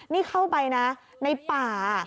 นี่เข้าไปนะในป่า